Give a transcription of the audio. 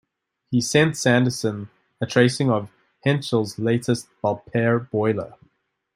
He sent Sanderson a tracing of Henschel's latest Belpaire boiler.